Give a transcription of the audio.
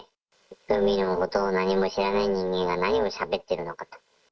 海のことを何も知らない人間が、何をしゃべってるのかと。